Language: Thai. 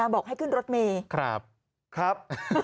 บอกให้ขึ้นรถเมย์ครับ